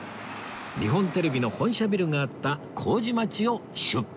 日本テレビの本社ビルがあった麹町を出発です